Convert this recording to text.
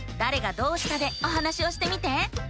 「どうした」でお話をしてみて！